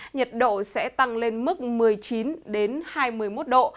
nhiệt độ sẽ tăng lên mức một mươi chín hai mươi một độ